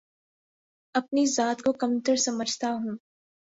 اپنی ذات کو کم تر سمجھتا ہوں